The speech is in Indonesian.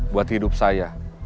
buat hidup saya